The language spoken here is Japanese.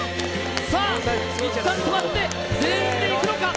さあ、いったん止まって、全員でいくのか。